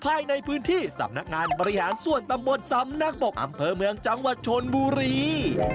ภายในพื้นที่สำนักงานบริหารส่วนตำบลสำนักบกอำเภอเมืองจังหวัดชนบุรี